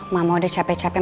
mama udah capek capek